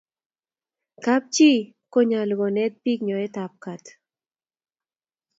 kap chii konyalu konet bik nyoet ab kat